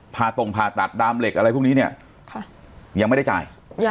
ตรงผ่าตัดดามเหล็กอะไรพวกนี้เนี่ยยังไม่ได้จ่าย